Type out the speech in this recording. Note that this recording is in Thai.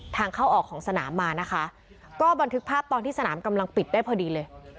ทางเข้าออกของสนามมานะคะก็บันทึกภาพตอนที่สนามกำลังปิดได้พอดีเลย